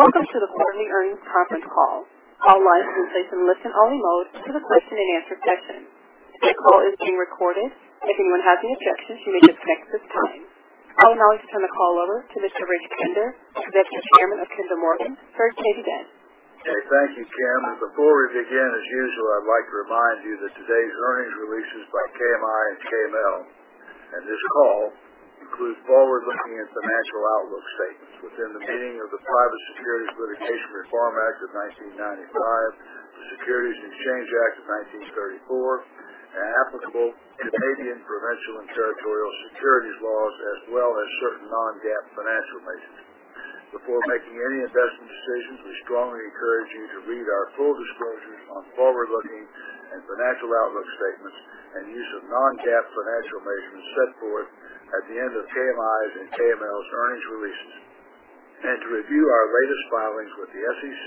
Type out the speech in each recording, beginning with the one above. Welcome to the quarterly earnings conference call. All lines will stay in listen-only mode until the question-and-answer session. This call is being recorded. If anyone has any objections, you may disconnect at this time. I would now like to turn the call over to Mr. Richard Kinder, the Vice Chairman of Kinder Morgan. Sir, take it away. Okay. Thank you, Kim. Before we begin, as usual, I'd like to remind you that today's earnings releases by KMI and KML, and this call includes forward-looking and financial outlook statements within the meaning of the Private Securities Litigation Reform Act of 1995, the Securities Exchange Act of 1934, and applicable Canadian provincial and territorial securities laws, as well as certain Non-GAAP financial measures. Before making any investment decisions, we strongly encourage you to read our full disclosures on forward-looking and financial outlook statements and use of Non-GAAP financial measures set forth at the end of KMI's and KML's earnings releases. To review our latest filings with the SEC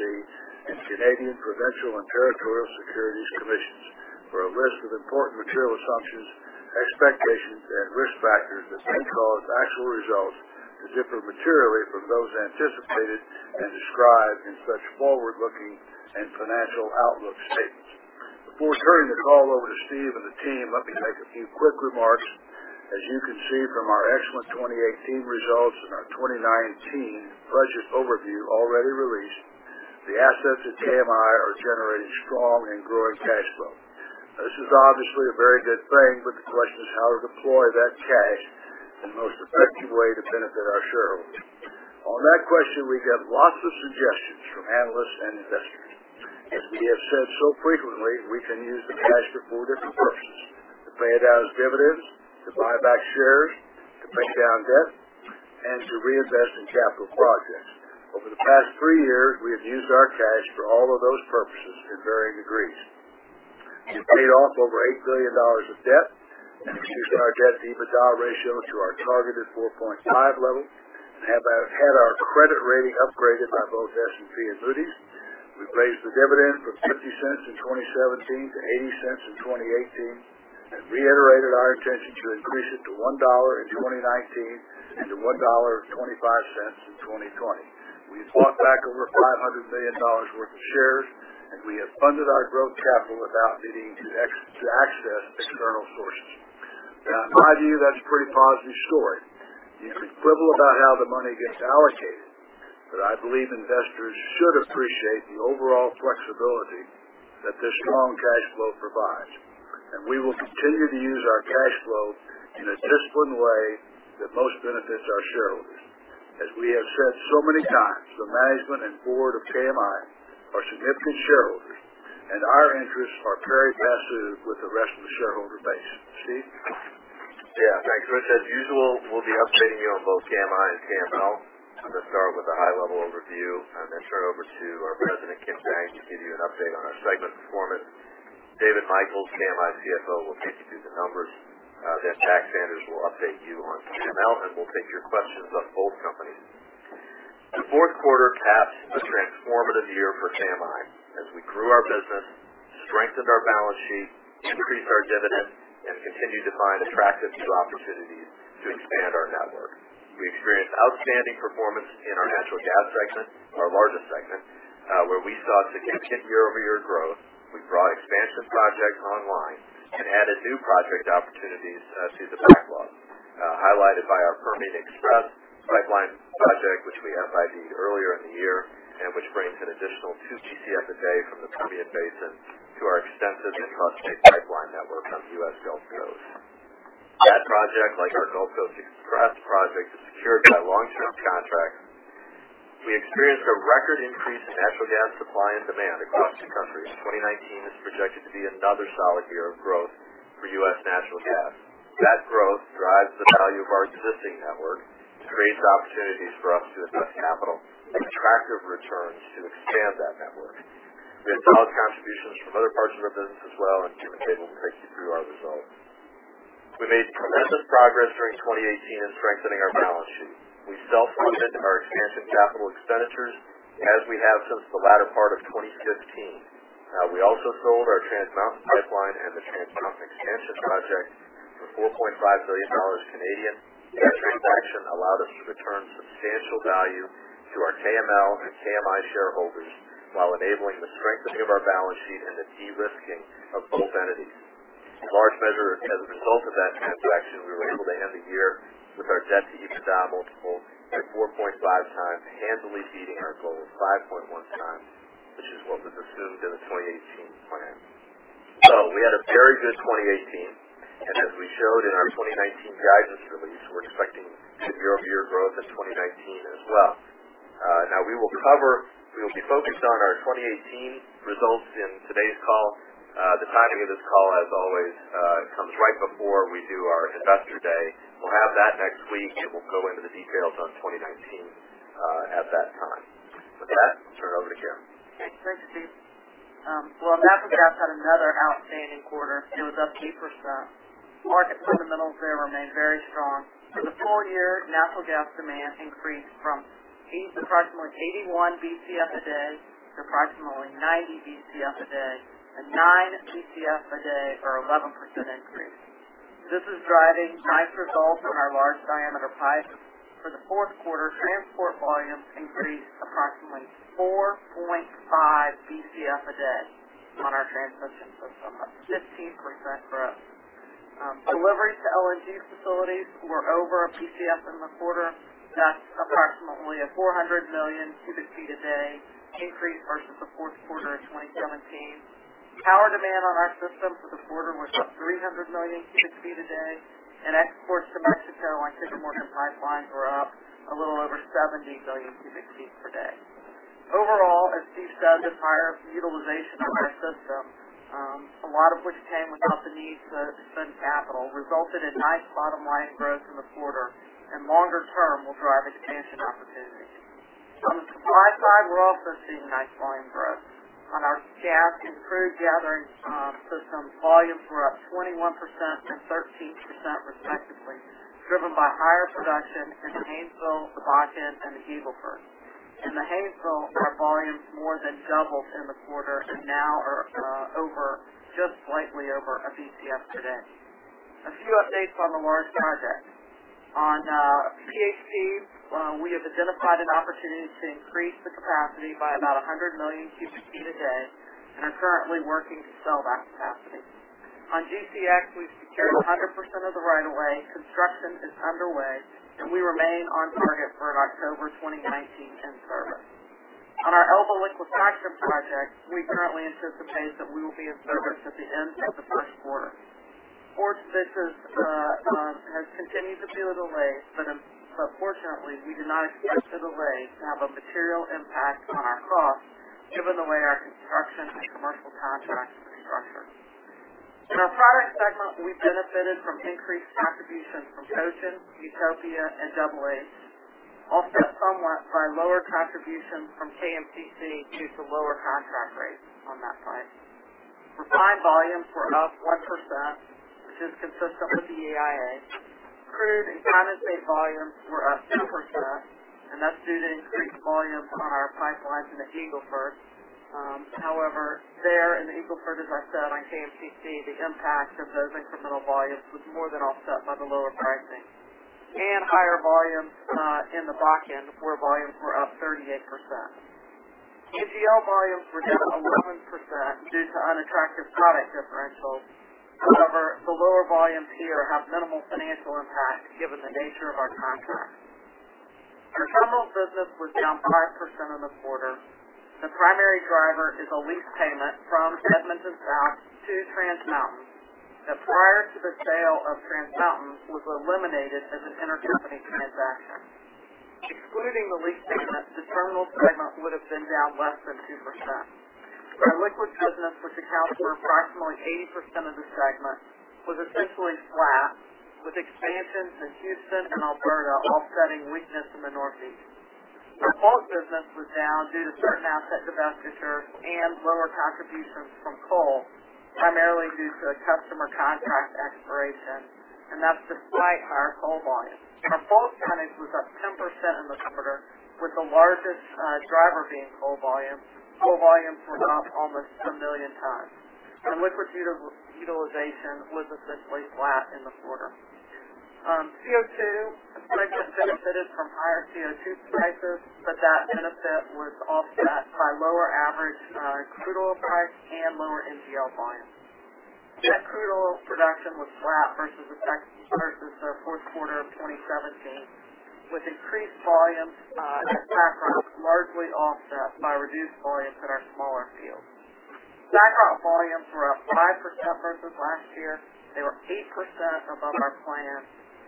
and Canadian provincial and territorial securities commissions for a list of important material assumptions, expectations, and risk factors that may cause actual results to differ materially from those anticipated and described in such forward-looking and financial outlook statements. Before turning the call over to Steve and the team, let me make a few quick remarks. As you can see from our excellent 2018 results and our 2019 budget overview already released, the assets at KMI are generating strong and growing cash flow. This is obviously a very good thing, but the question is how to deploy that cash in the most effective way to benefit our shareholders. On that question, we get lots of suggestions from analysts and investors. As we have said so frequently, we can use the cash for four different purposes, to pay it out as dividends, to buy back shares, to pay down debt, and to reinvest in capital projects. Over the past three years, we have used our cash for all of those purposes in varying degrees. We paid off over $8 billion of debt and reduced our debt-to-EBITDA ratio to our targeted 4.5 level and have had our credit rating upgraded by both S&P and Moody's. We've raised the dividend from $0.50 in 2017 to $0.80 in 2018 and reiterated our intention to increase it to $1 in 2019 and to $1.25 in 2020. We have bought back over $500 million worth of shares, and we have funded our growth capital without needing to access external sources. Now, in my view, that's a pretty positive story. You can quibble about how the money gets allocated, but I believe investors should appreciate the overall flexibility that this strong cash flow provides. We will continue to use our cash flow in a disciplined way that most benefits our shareholders. As we have said so many times, the management and board of KMI are significant shareholders, and our interests are very vested with the rest of the shareholder base. Steve? Yeah. Thanks, Rich. As usual, we'll be updating you on both KMI and KML. I'm going to start with a high-level overview and then turn over to our President, Kim Dang, to give you an update on our segment performance. David Michels, KMI CFO, will take you through the numbers. Jack Sanders will update you on KML, and we'll take your questions on both companies. The fourth quarter capped a transformative year for KMI as we grew our business, strengthened our balance sheet, increased our dividend, and continued to find attractive new opportunities to expand our network. We experienced outstanding performance in our natural gas segment, our largest segment, where we saw significant year-over-year growth. We brought expansion projects online and added new project opportunities to the backlog, highlighted by our Permian Highway Pipeline project, which we FID'd earlier in the year, and which brings an additional two Bcf a day from the Permian Basin to our extensive and cost-based pipeline network on the U.S. Gulf Coast. Gas projects like our Gulf Coast Express project are secured by long-term contracts. We experienced a record increase in natural gas supply and demand across the country. 2019 is projected to be another solid year of growth for U.S. natural gas. That growth drives the value of our existing network to create opportunities for us to invest capital and attractive returns to expand that network. Kim will take you through our results. We made tremendous progress during 2018 in strengthening our balance sheet. We self-funded our expansion capital expenditures as we have since the latter part of 2015. We also sold our Trans Mountain pipeline and the Trans Mountain expansion project for 4.5 billion Canadian dollars. That transaction allowed us to return substantial value to our KML and KMI shareholders while enabling the strengthening of our balance sheet and the de-risking of both entities. In large measure, as a result of that transaction, we were able to end the year with our debt-to-EBITDA multiple at 4.5 times, handily beating our goal of 5.1 times, which is what was assumed in the 2018 plan. We had a very good 2018, as we showed in our 2019 guidance release, we're expecting good year-over-year growth in 2019 as well. We will be focused on our 2018 results in today's call. The timing of this call, as always, comes right before we do our investor day. We'll have that next week, and we'll go into the details on 2019 at that time. With that, I'll turn it over to Kim. Okay. Thanks, Steve. Well, natural gas had another outstanding quarter. It was up 8%. Market fundamentals there remained very strong. For the full year, natural gas demand increased from approximately 81 Bcf a day to approximately 90 Bcf a day, a 9 Bcf a day or 11% increase. This is driving nice results in our large diameter pipes. For the fourth quarter, transport volumes increased approximately 4.5 Bcf a day on our transmission system, a 15% growth. Deliveries to LNG facilities were over a Bcf in the quarter. That's approximately a 400 million cubic feet a day increase versus the fourth quarter of 2017. Power demand on our system for the quarter was up 390 cubic feet a day, and exports to Mexico and Kinder Morgan pipelines were up a little over 70 million cubic feet per day. Overall, as Steve said, the higher utilization of our system, a lot of which came without the need to spend capital, resulted in nice bottom-line growth in the quarter and longer term will drive expansion opportunities. On the supply side, we're also seeing nice volume growth. On our gas and crude gathering systems, volumes were up 21% and 13% respectively, driven by higher production in the Haynesville, the Bakken, and the Eagle Ford. In the Haynesville, our volumes more than doubled in the quarter and now are just slightly over a Bcf a day. A few updates on the large projects. On PHP, we have identified an opportunity to increase the capacity by about 100 million cubic feet a day and are currently working to sell that capacity. On GCX, we've secured 100% of the right of way. Construction is underway, and we remain on target for an October 2019 in-service. On our Elba liquefaction project, we currently anticipate that we will be in service at the end of the first quarter. Force majeure has continued to be of a delay, but fortunately, we do not expect the delay to have a material impact on our costs given the way our construction and commercial contracts are structured. In our product segment, we benefited from increased contributions from Ocean, Utopia, and Double H, offset somewhat by lower contributions from KMPC due to lower contract rates on that front. Refined volumes were up 1%, which is consistent with the EIA. Crude and condensate volumes were up 2%, and that's due to increased volumes on our pipelines in the Eagle Ford. There in the Eagle Ford, as I said on KMP, the impact of those incremental volumes was more than offset by the lower pricing and higher volumes in the Bakken, where volumes were up 38%. NGL volumes were down 11% due to unattractive product differentials. The lower volumes here have minimal financial impact given the nature of our contracts. Our terminal business was down 5% in the quarter. The primary driver is a lease payment from Edmonton South to Trans Mountain, that prior to the sale of Trans Mountain, was eliminated as an intercompany transaction. Excluding the lease payment, the terminal segment would have been down less than 2%. Our liquid business, which accounts for approximately 80% of the segment, was essentially flat, with expansions in Houston and Alberta offsetting weakness in the Northeast. Our bulk business was down due to certain asset divestitures and lower contributions from coal, primarily due to a customer contract expiration, that's despite higher coal volumes. Our bulk tonnage was up 10% in the quarter, with the largest driver being coal volumes. Coal volumes were up almost a million tons. Liquid utilization was essentially flat in the quarter. CO2 segment benefited from higher CO2 prices, but that benefit was offset by lower average crude oil price and lower NGL volumes. Net crude oil production was flat versus the fourth quarter of 2017, with increased volumes at Tacker largely offset by reduced volumes at our smaller fields. Tacker volumes were up 5% versus last year. They were 8% above our plan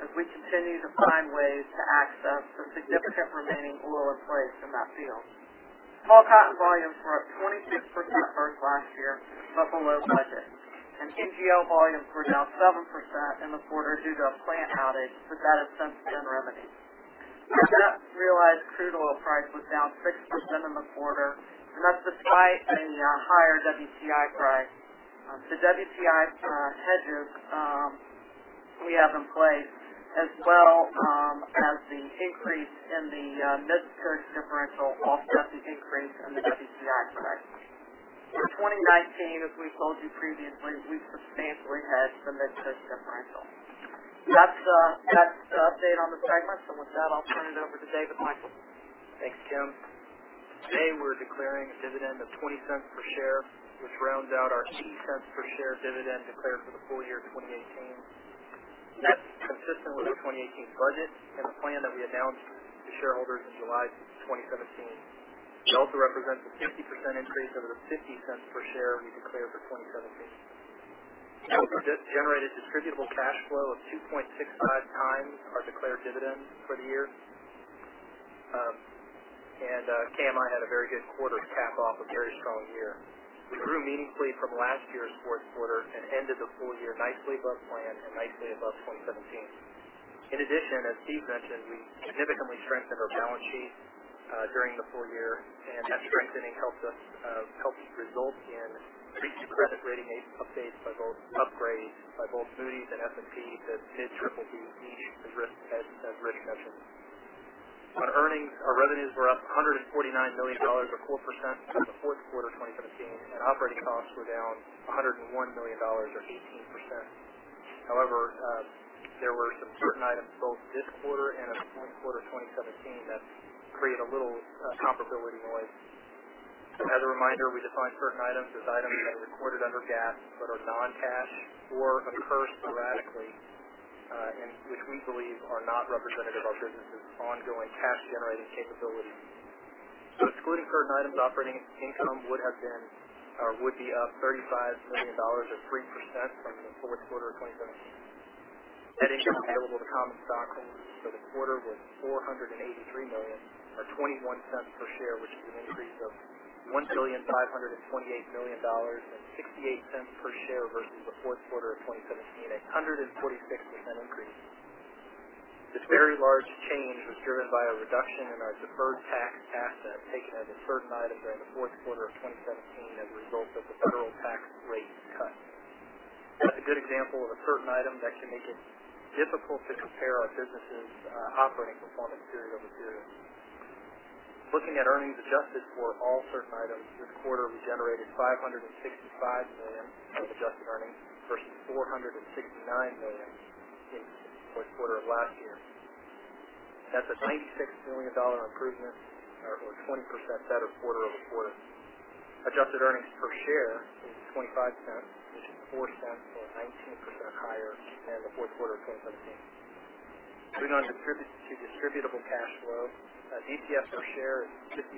as we continue to find ways to access the significant remaining oil in place in that field. Tall Cotton volumes were up 26% versus last year, but below budget, NGL volumes were down 7% in the quarter due to a plant outage, but that has since been remedied. Net realized crude oil price was down 6% in the quarter, that's despite a higher WTI price. The WTI hedges we have in place, as well as the increase in the Midland-Cushing differential, offset the increase in the WTI price. For 2019, as we've told you previously, we've substantially hedged the Midland-Cushing differential. That's the update on the segments, with that, I'll turn it over to David Michael. Thanks, Kim. Today, we're declaring a dividend of $0.20 per share, which rounds out our $0.80 per share dividend declared for the full year 2018. That's consistent with our 2018 budget and the plan that we announced to shareholders in July 2017. It also represents a 50% increase over the $0.50 per share we declared for 2017. We also generated distributable cash flow of 2.65 times our declared dividend for the year. KMI had a very good quarter to cap off a very strong year. We grew meaningfully from last year's fourth quarter and ended the full year nicely above plan and nicely above 2017. In addition, as Steve mentioned, we significantly strengthened our balance sheet during the full year, that strengthening helped us result in credit rating updates by both Moody's and S&P to mid-BBB, meeting the risk hedge and credit measures. Our revenues were up $149 million or 4% from the fourth quarter of 2017, operating costs were down $101 million or 18%. There were some certain items both this quarter and in the fourth quarter of 2017 that create a little comparability noise. As a reminder, we define certain items as items that are recorded under GAAP that are non-cash or occur sporadically, and which we believe are not representative of our business's ongoing cash-generating capability. Excluding current items, operating income would be up $35 million or 3% from the fourth quarter of 2017. Net income available to common stockholders for the quarter was $483 million, or $0.21 per share, which is an increase of $1.528 billion and $0.68 per share versus the fourth quarter of 2017, a 146% increase. This very large change was driven by a reduction in our deferred tax asset taken as a certain item during the fourth quarter of 2017 as a result of the federal tax rate cut. That's a good example of a certain item that can make it difficult to compare our business's operating performance period over period. Looking at earnings adjusted for all certain items, this quarter, we generated $565 million of adjusted earnings versus $469 million in the fourth quarter of last year. That's a $96 million improvement, or a 20% better quarter-over-quarter. Adjusted earnings per share is $0.25, which is $0.04 or 19% higher than the fourth quarter of 2017. Moving on to distributable cash flow. DCF per share is $0.56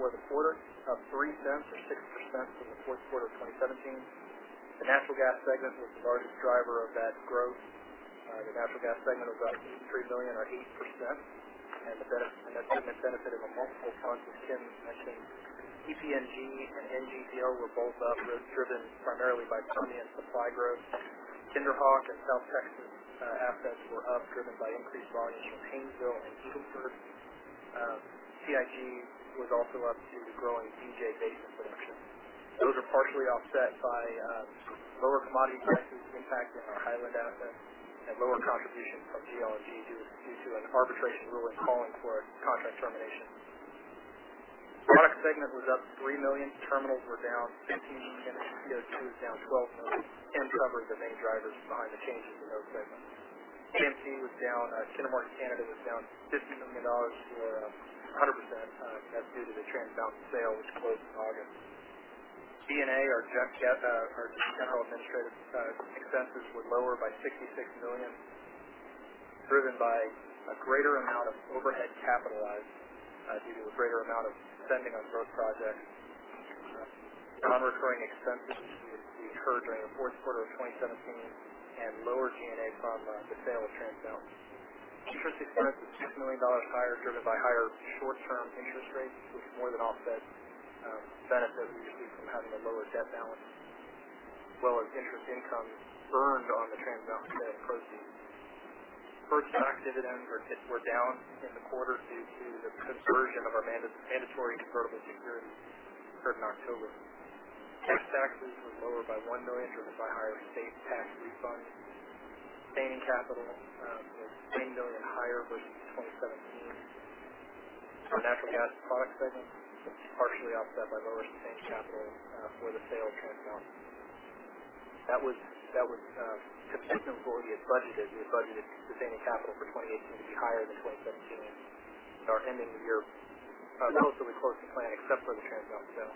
for the quarter, up $0.03 or 6% from the fourth quarter of 2017. The natural gas segment was the largest driver of that growth. The natural gas segment was up $83 million or 80%, and the benefit of a multiple fronts, as Kim mentioned. EPG and NGPL were both up, driven primarily by volume and supply growth. KinderHawk and South Texas assets were up, driven by increased volumes from Haynesville and Bossier. TGP was also up due to growing DJ Basin production. Those are partially offset by lower commodity prices impacting our Hiland assets and lower contribution from GLNG due to an arbitration ruling calling for a contract termination. Product segment was up $3 million. Terminals were down $15 million, and CO2 was down $12 million. Kim covered the main drivers behind the changes in those segments. FMC was down. Kinder Morgan Canada was down $50 million or 100%. That's due to the Trans Mountain sale, which closed in August. G&A, our general administrative expenses, were lower by $66 million, driven by a greater amount of overhead capitalized due to a greater amount of spending on growth projects, non-recurring expenses we incurred during the fourth quarter of 2017, and lower G&A from the sale of Trans Mountain. Interest expense was $6 million higher, driven by higher short-term interest rates, which more than offset the benefit we received from having a lower debt balance, as well as interest income earned on the Trans Mountain sale proceeds. Preferred stock dividends were down in the quarter due to the conversion of our mandatory convertible securities occurred in October. Cash taxes were lower by $1 million, driven by higher state tax refunds. Maintaining capital was $10 million higher versus 2017 for the natural gas product segment, which is partially offset by lower sustained capital for the sale of Trans Mountain. That was consistent with what we had budgeted. We had budgeted sustaining capital for 2018 to be higher than 2017. Our ending year, relatively close to plan except for the Trans Mountain sale.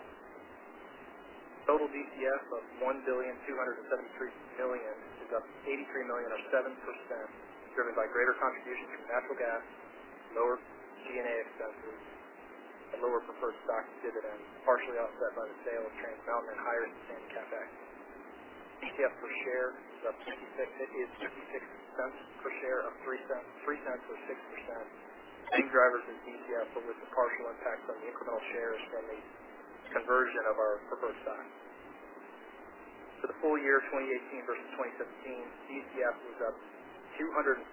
Total DCF of $1.273 billion is up $83 million or 7%, driven by greater contribution from natural gas, lower G&A expenses, and lower preferred stock dividends, partially offset by the sale of Trans Mountain and higher sustained CapEx. DCF per share is $0.56 per share, up $0.03 or 6%. Same drivers in DCF, but with the partial impact on the incremental shares from the conversion of our preferred stock. For the full year 2018 versus 2017, DCF was up $248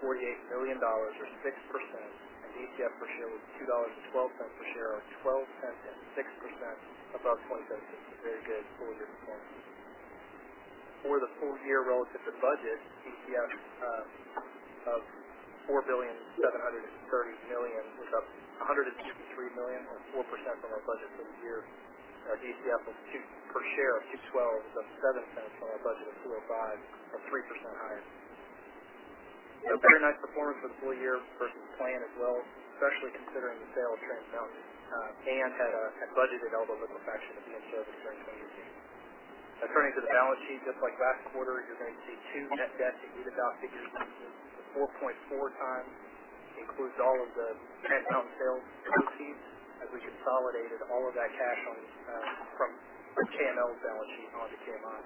million or 6%. DCF per share was $2.12 per share or $0.12 and 6% above 2017. Very good full year performance. For the full year relative to budget, DCF of $4.730 billion is up $153 million or 4% on our budget for the year. Our DCF per share of $2.12 is up $0.07 on our budget of $2.05 or 3% higher. Very nice performance for the full year versus plan as well, especially considering the sale of Trans Mountain, and had budgeted Elba liquefaction of 10 shows during 2018. Turning to the balance sheet, just like last quarter, you're going to see two net debt to EBITDA figures. The 4.4 times includes all of the Trans Mountain sale proceeds, as we consolidated all of that cash from KML's balance sheet onto KMI.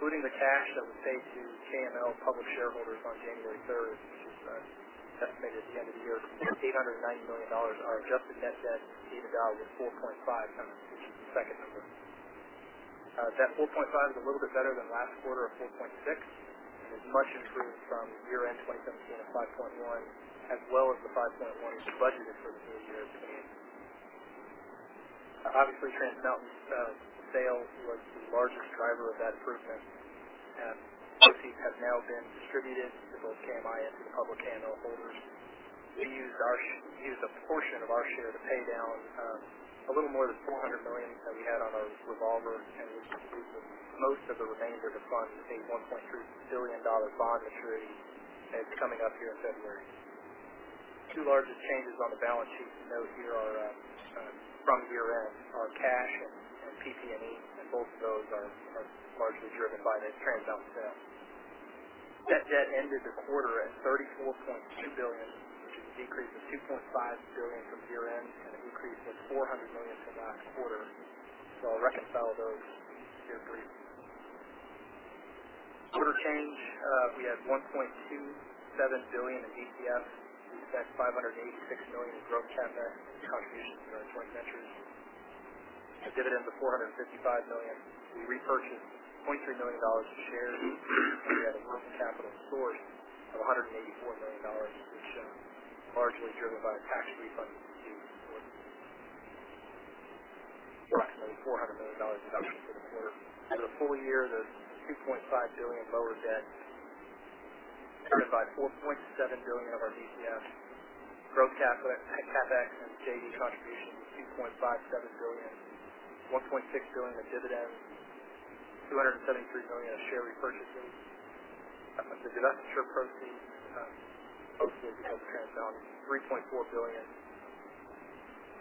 Including the cash that was paid to KML public shareholders on January 3rd, which is estimated at the end of the year, $890 million, our adjusted net debt to EBITDA was 4.5 times, which is the second number. That 4.5 is a little bit better than last quarter of 4.6, is much improved from year-end 2017 at 5.1, as well as the 5.1 we budgeted for this year at the beginning. Obviously, Trans Mountain sale was the largest driver of that improvement. Those fees have now been distributed to both KMI and to the public KML holders. We used a portion of our share to pay down a little more than $400 million that we had on our revolver, we used most of the remainder to fund a $1.3 billion bond maturity that's coming up here in February. Two largest changes on the balance sheet to note here are from year-end, are cash and PP&E, both of those are largely driven by the Trans Mountain sale. Debt ended the quarter at $34.2 billion, which is a decrease of $2.5 billion from year-end an increase of $400 million from last quarter. I'll reconcile those here for you. Quarter change, we had $1.27 billion in DCF. We've got $586 million in gross CapEx and contributions in our joint ventures. Dividends of $455 million. We repurchased $0.3 million of shares, we had a working capital source of $184 million, which is largely driven by tax refunds received. Approximately $400 million in cash from the quarter. For the full year, there's $2.5 billion lower debt driven by $4.7 billion of our DCF. Gross CapEx and JV contributions of $2.57 billion. $1.6 billion in dividends. $273 million of share repurchases. The asset sale proceeds associated with Trans Mountain, $3.4 billion.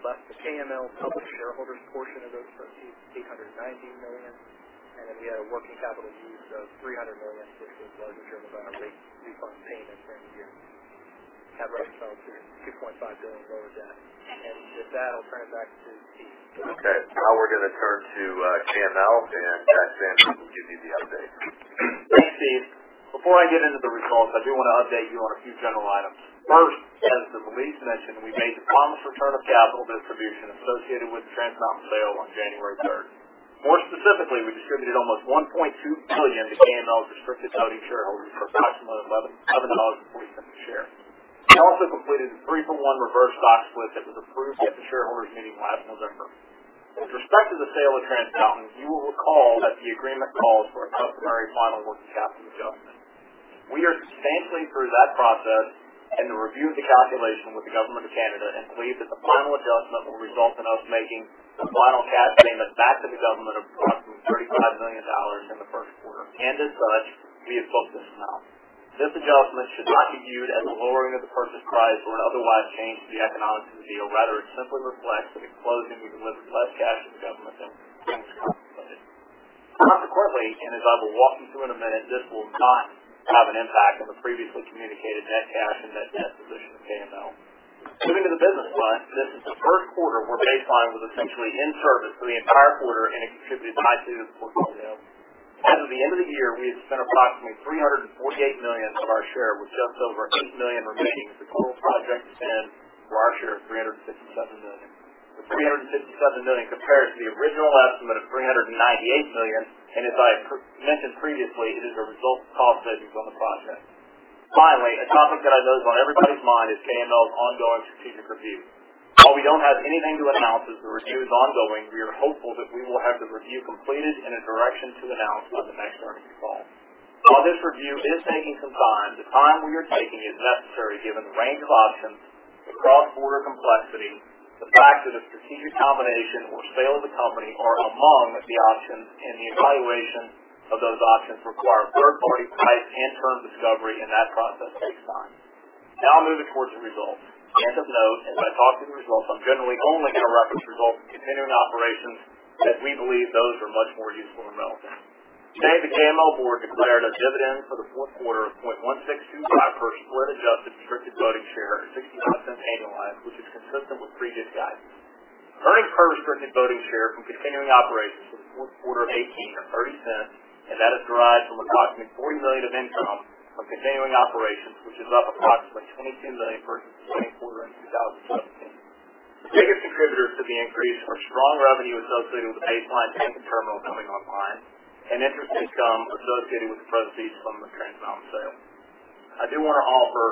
Less the KML public shareholders' portion of those proceeds, $819 million. We had a working capital use of $300 million, which was largely driven by our refund payment frame here. That reconciles your $2.5 billion lower debt. With that, I'll turn it back to Steve. Okay. Now we're going to turn to KML, and Pat Sande will give you the update. Thanks, Steve. Before I get into the results, I do want to update you on a few general items. First, as the release mentioned, we made the promised return of capital distribution associated with the Trans Mountain sale on January 3rd. More specifically, we distributed almost $1.2 billion to KML's restricted voting shareholders for approximately $11.47 a share. We also completed the 3-for-1 reverse stock split that was approved at the shareholders meeting last November. With respect to the sale of Trans Mountain, you will recall that the agreement calls for a customary final working capital adjustment. We are substantially through that process and have reviewed the calculation with the Government of Canada and believe that the final adjustment will result in us making the final cash payment back to the government of approximately $35 million in the first quarter. As such, we have booked this amount. This adjustment should not be viewed as a lowering of the purchase price or an otherwise change to the economics of the deal. Rather, it simply reflects that at closing, we delivered less cash to the government than was contemplated. Consequently, as I will walk you through in a minute, this will not have an impact on the previously communicated net cash and net debt position of KML. Moving to the business side, this is the first quarter where Base Line was essentially in service for the entire quarter and it contributed nicely to the quarter's results. As of the end of the year, we had spent approximately $348 million of our share, with just over $8 million remaining of the total project spend for our share of $357 million. The $357 million compares to the original estimate of $398 million. As I mentioned previously, it is a result of cost savings on the project. Finally, a topic that I know is on everybody's mind is KML's ongoing strategic review. While we don't have anything to announce as the review is ongoing, we are hopeful that we will have the review completed and a direction to announce on the next earnings call. While this review is taking some time, the time we are taking is necessary given the range of options, the cross-border complexity, the fact that a strategic combination or sale of the company are among the options, and the evaluation of those options require third-party price and term discovery, and that process takes time. Now moving towards the results. Of note, as I talk to the results, I'm generally only going to reference results from continuing operations, as we believe those are much more useful and relevant. Today, the KML board declared a dividend for the fourth quarter of 0.1625 per split-adjusted restricted voting share or $0.65 annualized, which is consistent with previous guidance. Earnings per restricted voting share from continuing operations for the fourth quarter of 2018 are $0.30. That is derived from approximately $40 million of income from continuing operations, which is up approximately $22 million versus the same quarter in 2017. The biggest contributors to the increase were strong revenue associated with the Base Line Tap and Terminal coming online and interest income associated with the proceeds from the Trans Mountain sale. I do want to offer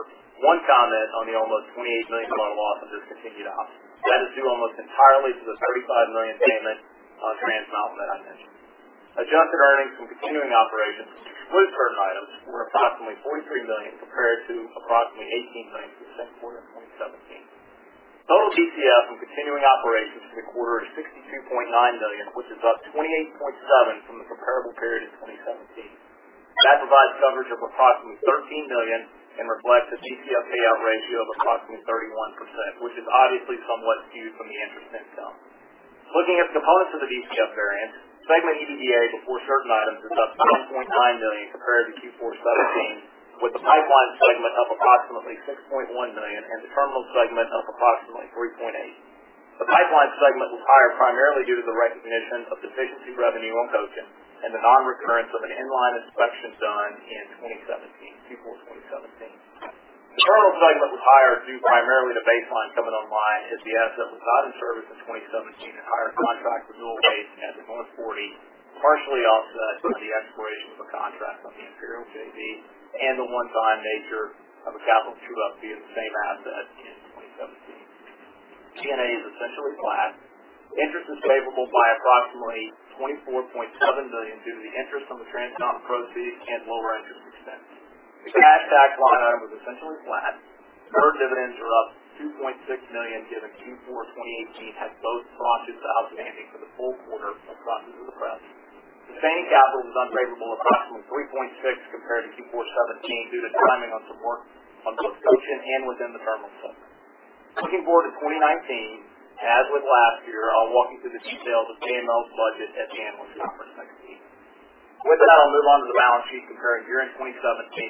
one comment on the almost $28 million loss in discontinued operations. That is due almost entirely to the $35 million payment on Trans Mountain that I mentioned. Adjusted earnings from continuing operations with current items were approximately $43 million compared to approximately $18 million for the same quarter in 2017. Total DCF from continuing operations for the quarter is $62.9 million, which is up $28.7 million from the comparable period in 2017. That provides coverage of approximately $13 million and reflects a DCF payout ratio of approximately 31%, which is obviously somewhat skewed from the interest income. Looking at the components of the DCF variance, segment EBITDA before certain items was up $10.9 million compared to Q4 2017, with the pipeline segment up approximately $6.1 million and the terminal segment up approximately $3.8 million. The pipeline segment was higher primarily due to the recognition of deficiency revenue on Cochin and the non-recurrence of an in-line inspection done in 2017, Q4 2017. The terminal segment was higher due primarily to Base Line coming online as the asset was not in service in 2017 and higher contract renewal rates at the North Forty. Partially offset with the expiration of a contract on the Imperial JV and the one-time nature of a capital true-up via the same asset in 2017. G&A is essentially flat. Interest is favorable by approximately $24.7 million due to the interest on the Trans Mountain proceeds and lower interest expense. The cash tax line item was essentially flat. Deferred dividends are up $2.6 million given Q4 2018 had both tranches outstanding for the full quarter as opposed to the prior. Sustaining capital was unfavorable approximately $3.6 million compared to Q4 2017 due to timing on some work on both Ocean and within the terminal center. Looking forward to 2019, as with last year, I'll walk you through the details of KML's budget at the analyst conference next week. With that, I'll move on to the balance sheet compared year-end 2017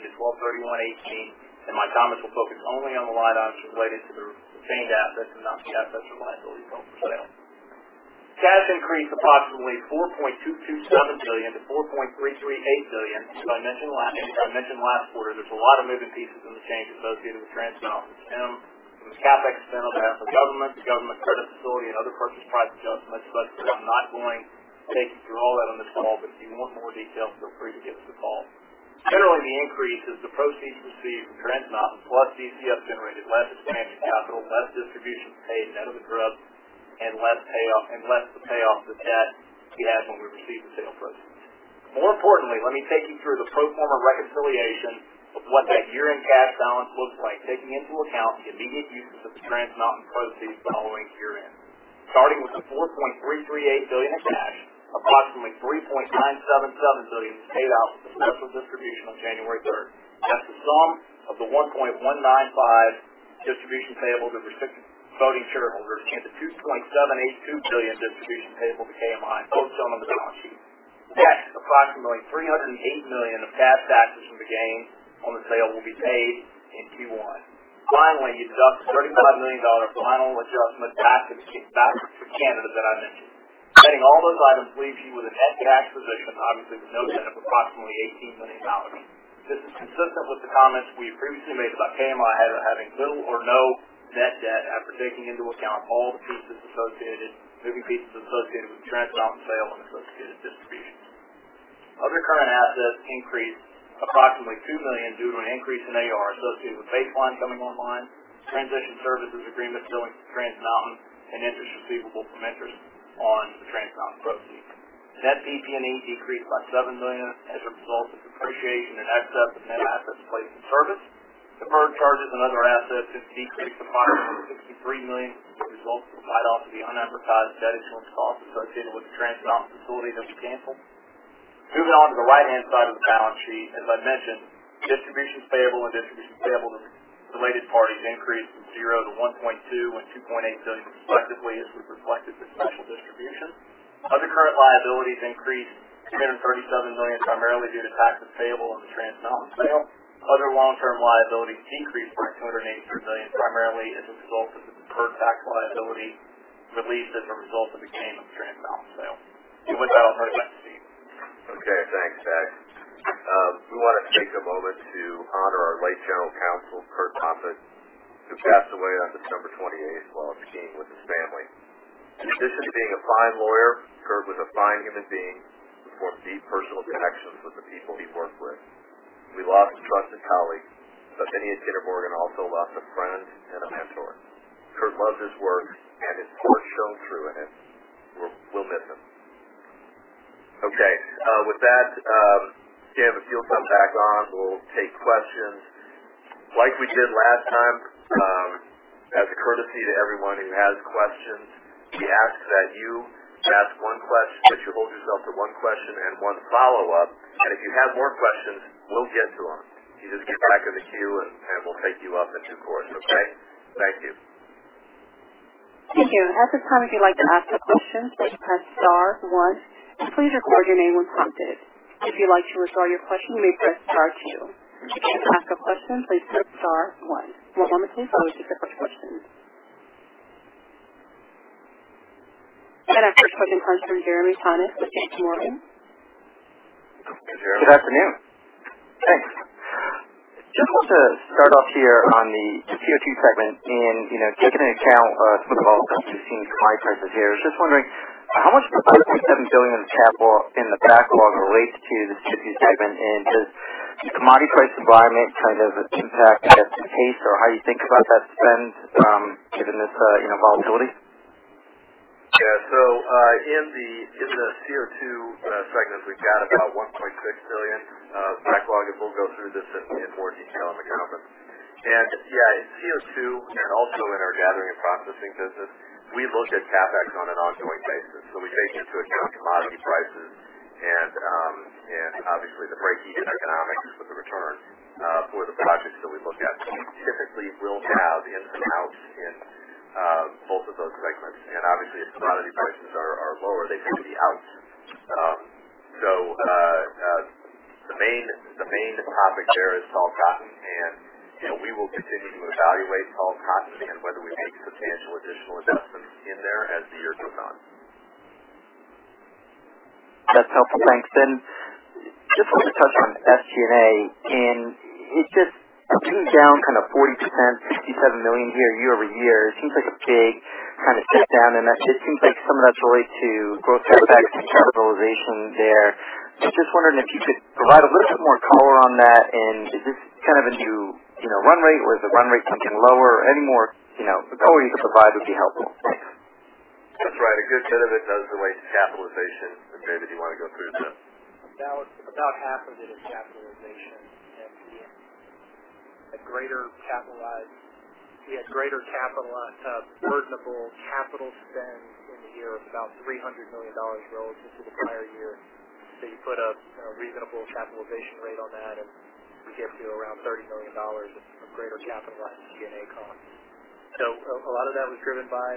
to 12/31/2018, and my comments will focus only on the line items related to the retained assets and not the assets or liabilities on the sale. Cash increased approximately $4.227 billion to $4.338 billion. As I mentioned last quarter, there's a lot of moving pieces in the change associated with Trans Mountain TM and the CapEx center that has the government, the government credit facility, and other purchase price adjustments. I'm not going to take you through all that on this call, but if you want more details, feel free to give us a call. Generally, the increase is the proceeds received from Trans Mountain, plus DCF generated less sustaining capital, less distributions paid net of the gross, and less the payoff to debt to cash when we received the sale proceeds. More importantly, let me take you through the pro forma reconciliation of what that year-end cash balance looks like, taking into account the immediate uses of Trans Mountain proceeds following year-end. Starting with the $4.338 billion in cash, approximately $3.977 billion was paid out as a special distribution on January 3rd. That's the sum of the $1.195 billion distribution payable to restricted voting shareholders and the $2.782 billion distribution payable to KMI, both shown on the balance sheet. Next, approximately $308 million of cash taxes from the gain on the sale will be paid in Q1. Finally, you deduct a $35 million final tax adjustment for Canada that I mentioned. Netting all those items leaves you with a net tax position of obviously no net of approximately $18 million. This is consistent with the comments we previously made about KMI having little or no net debt after taking into account all the moving pieces associated with Trans Mountain sale and associated distributions. Other current assets increased approximately $2 million due to an increase in AR associated with Base Line coming online, transition services agreement selling to Trans Mountain, and interest receivable from interest on the Trans Mountain proceeds. Net PP&E decreased by $7 million as a result of depreciation in excess of net assets placed in service. Deferred charges and other assets decreased approximately $63 million as a result of the write-off of the unamortized debt issuance cost associated with the Trans Mountain facility that we canceled. Moving on to the right-hand side of the balance sheet. As I mentioned, distributions payable and distributions payable to related parties increased from zero to $1.2 billion and $2.8 billion respectively, as we reflected the special distribution. Other current liabilities increased $237 million primarily due to taxes payable in the Trans Mountain sale. Other long-term liabilities decreased by $283 million primarily as a result of the deferred tax liability released as a result of the gain on the Trans Mountain sale. With that, I'll turn it back to Steve. Okay, thanks, Pat. We want to take a moment to honor our late General Counsel, Kurt Hoffert, who passed away on December 28th while skiing with his family. In addition to being a fine lawyer, Kurt was a fine human being with deep personal connections with the people he worked with. We lost a trusted colleague, but many at Kinder Morgan also lost a friend and a mentor. Kurt loved his work, and his spirit shone through in it. We will miss him. With that, if you will come back on, we will take questions. Like we did last time, as a courtesy to everyone who has questions, we ask that you hold yourself to one question and one follow-up. If you have more questions, we will get to them. You just get back in the queue, and we will take you up in due course. Okay. Thank you. Thank you. At this time, if you would like to ask a question, please press star one. Please record your name when prompted. If you would like to withdraw your question, you may press star two. To ask a question, please press star one. We will limit you to just the first question. Our first question comes from Jeremy Tonet with J.P. Morgan. Good afternoon. Good afternoon. Thanks. Just want to start off here on the CO2 segment and taking account of some of the volatility we've seen in commodity prices here. I was just wondering how much of the $5.7 billion of capital in the backlog relates to the CO2 segment? Does commodity price environment kind of impact that to pace or how you think about that spend given this volatility? Yeah. In the CO2 segment, we've got about $1.6 billion of backlog, we'll go through this in more detail in the conference. Yeah, in CO2 and also in our gathering and processing business, we look at CapEx on an ongoing basis. We take into account commodity prices and obviously the breakeven economics with the return for the projects that we look at. We typically will have in some outs in both of those segments. Obviously, if commodity prices are lower, they could be out. The main topic there is Tall Cotton. We will continue to evaluate Tall Cotton and whether we make substantial additional adjustments in there as the year goes on. That's helpful. Thanks. Just want to touch on SG&A. It's just down 40%, $67 million year-over-year. It seems like a big sit down, that just seems like some of that's related to gross tax capitalization there. I was just wondering if you could provide a little bit more color on that, is this kind of a new run rate or is the run rate ticking lower? Any more color you could provide would be helpful. Thanks. That's right. A good bit of it does relate to capitalization. Jay, did you want to go through them? About half of it is capitalization and we had greater capital on top of reasonable capital spend in the year of about $300 million relative to the prior year. You put a reasonable capitalization rate on that, and it gets you around $30 million of greater capitalized G&A costs. A lot of that was driven by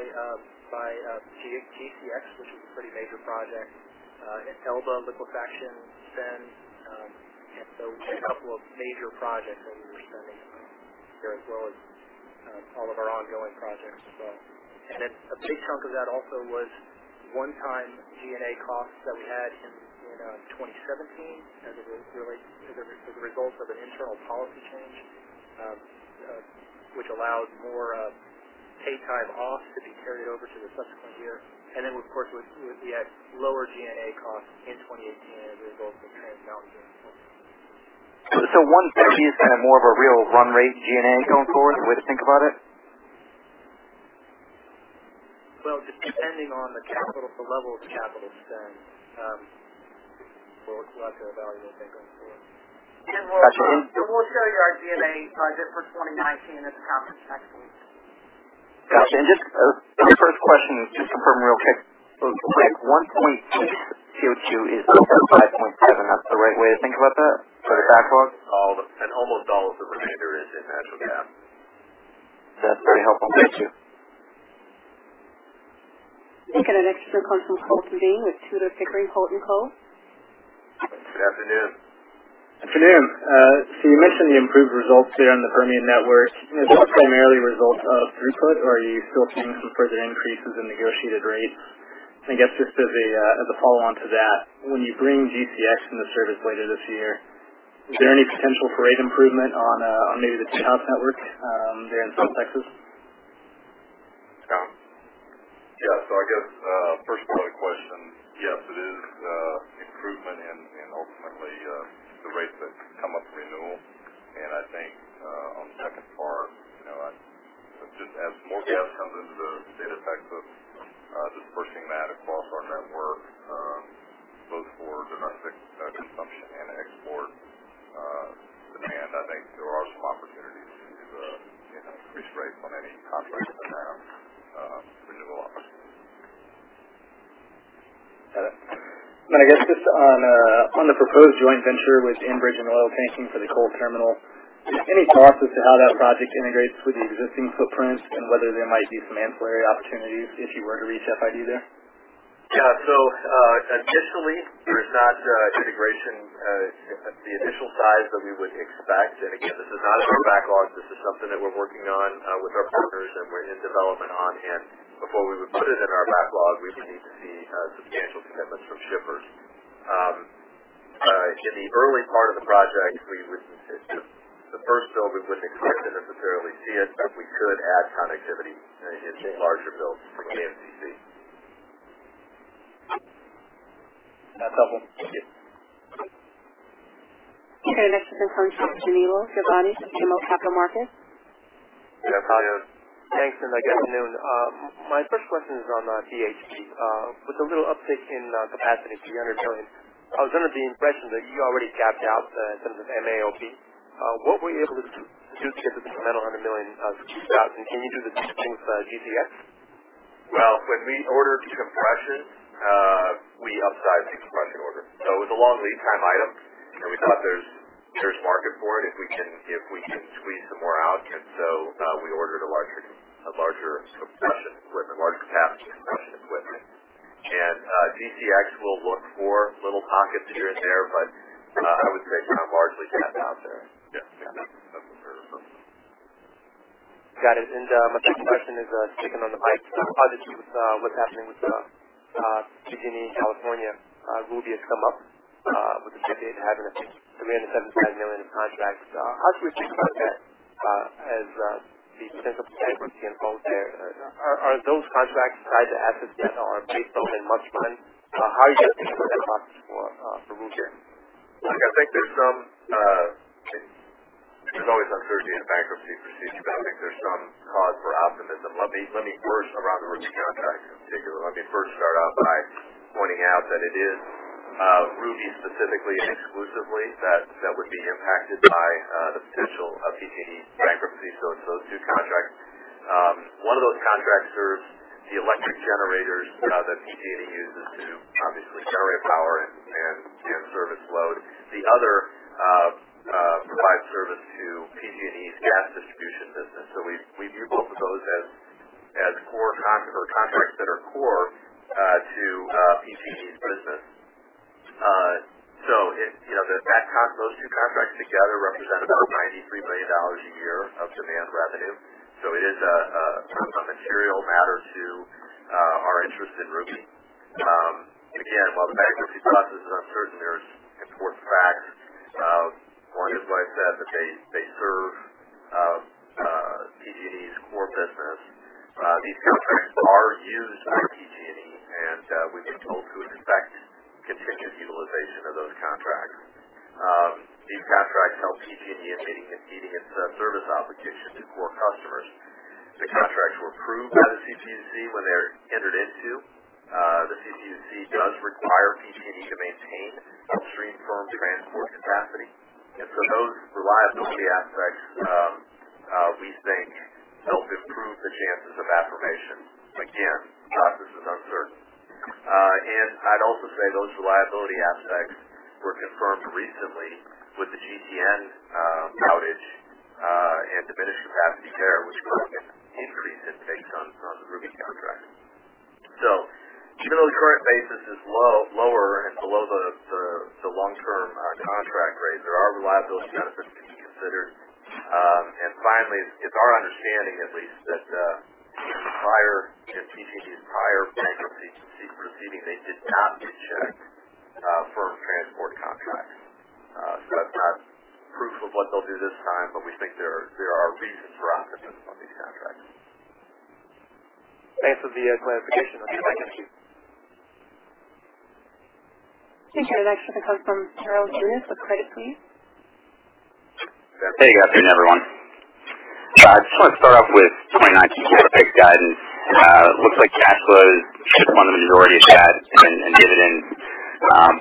GCX, which is a pretty major project, and Elba liquefaction spend. Just a couple of major projects that we were spending on there as well as all of our ongoing projects. A big chunk of that also was one-time G&A costs that we had in 2017, as it was really as a result of an internal policy change, which allowed more paid time off to be carried over to the subsequent year. Of course, we had lower G&A costs in 2018 as a result of the transition out of there. 1.2 is kind of more of a real run rate G&A going forward, the way to think about it? Well, depending on the level of capital spend for us to evaluate going forward. We'll show you our G&A budget for 2019 at the conference next week. Got you. Just a quick first question, just to confirm you're okay. 1.2 CO2 is over 5.7. That's the right way to think about that for the backlog? Almost all of the remainder is in natural gas. That's very helpful. Thank you. Thank you. Next, we go to Colton Cuddy with Tudor, Pickering, Holt & Co. Good afternoon. Afternoon. You mentioned the improved results there on the Permian network. Is that primarily a result of throughput, or are you still seeing some further increases in negotiated rates? I guess just as a follow-on to that, when you bring GCX into service later this year, is there any potential for rate improvement on maybe the TNOP network there in South Texas? Yeah. I guess, first part of the question, yes, it is improvement and ultimately the rates that come up for renewal. I think, on the second part, just as more gas comes into the data packs of just pushing that across our network both for domestic consumption and export demand. I think there are some opportunities to increase rates on any contracts that are now renewable. Got it. Just on the proposed joint venture with Enbridge and Oiltanking for the Cochin terminal, any thoughts as to how that project integrates with the existing footprint and whether there might be some ancillary opportunities if you were to reach FID there? Yeah. Initially, there is not integration at the initial size that we would expect. Again, this is not in our backlog. This is something that we're working on with our partners and we're in development on. Before we would put it in our backlog, we would need to see substantial commitments from shippers. In the early part of the project, the first build, we wouldn't expect to necessarily see it, but we could add connectivity in larger builds from ANTC. That's helpful. Thank you. Next is from Jamil Zivani from BMO Capital Markets. Yeah. Hi. Thanks, and good afternoon. My first question is on PHP. With the little uptick in capacity to 300 million, I was under the impression that you already gapped out in terms of MAOP. What were you able to do to get the incremental 100 million of 2,000? Can you do the same thing with GCX? Well, when we order decompressions, we upsize the compression order. It was a long lead time item, and we thought there's market for it if we can squeeze some more out, and so we ordered a larger compression equipment, a larger capacity compression equipment. GCX will look for little pockets here and there, but I would say it's kind of largely gapped out there. Got it. My second question is checking on the pipe project with what's happening with PG&E in California. Ruby has come up with the ship date having a $375 million in contracts. How should we think about that as the potential bankruptcy unfolds there? Are those contracts tied to assets that are based on in-month funding? How are you looking at that contract for Ruby? Look, I think there's some It's always uncertainty in a bankruptcy procedure, but I think there's some cause for optimism. Let me first, around the Ruby contract in particular, let me first start out by pointing out that it is Ruby specifically and exclusively that would be impacted by the potential of PG&E bankruptcy. Those two contracts. One of those contracts serves the electric generators that PG&E uses to obviously generate power and service load. The other provides service to PG&E's gas distribution business. We view both of those as contracts that are core to PG&E's business. Those two contracts together represent about $93 million a year of demand revenue. It is a material matter to our interest in Ruby. Again, while the bankruptcy process is uncertain, there's important facts areas like that, but they serve PG&E's core business. These contracts are used by PG&E, and we've been told to expect continued utilization of those contracts. These contracts help PG&E in meeting its service obligations to core customers. The contracts were approved by the CPUC when they were entered into. The CPUC does require PG&E to maintain upstream firm transport capacity. Those reliability aspects, we think help improve the chances of affirmation. Again, this is uncertain. I'd also say those reliability aspects were confirmed recently with the GTN outage, and diminished capacity there, which drove an increase in takes on the Ruby contract. Generally, current basis is lower and below the long-term contract rates. There are reliability benefits to be considered. Finally, it's our understanding at least, that in PG&E's prior bankruptcy proceeding, they did not reject firm transport contracts. That's not proof of what they'll do this time, we think there are reasons for optimism on these contracts. Thanks for the clarification. Thank you. Thank you. The next question comes from Shneur Gershuni with UBS. Hey, good afternoon, everyone. I just want to start off with 2019 GP big guidance. It looks like cash flow is one of the majority of debt and dividend.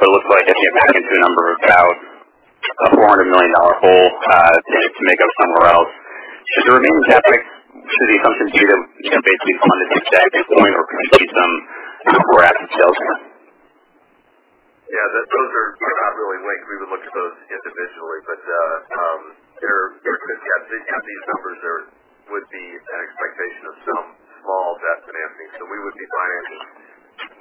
It looks like if you back into the numbers, about a $400 million hole they have to make up somewhere else. Is the remaining gap actually something due to basically fund a dividend payout or could we see some more asset sales here? Yeah, those are not really linked. We would look at those individually, but they're good to get. These numbers would be an expectation of some small debt financing, so we would be financing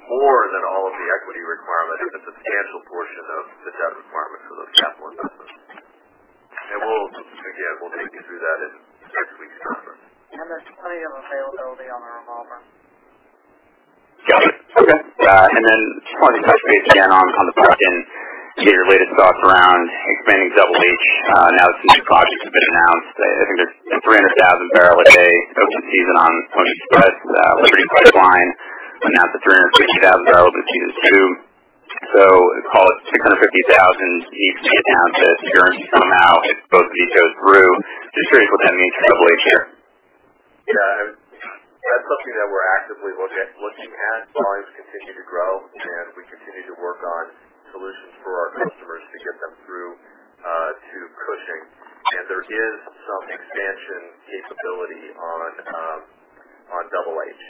more than all of the equity requirement and a substantial portion of the debt requirement for those capital investments. We'll take you through that in next week's conference. There's plenty of availability on the revolver. Got it. Okay. Then just wanted to touch base again on the Bakken, maybe related thoughts around expanding Double H. Now that some new projects have been announced, I think there's 300,000 barrel a day open season on Push to Spread, Liberty Pipeline, announced a 350,000 barrel open season, too. Call it 650,000 each, if guarantees come out and both of these goes through. Just curious what that means for Double H here. Yeah. That's something that we're actively looking at as volumes continue to grow. We continue to work on solutions for our customers to get them through to Cushing. There is some expansion capability on Double H.